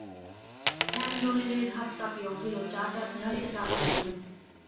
হেমনলিনীর হাত কাঁপিয়া উঠিল, চা ঢালিতে চা পড়িয়া গেল।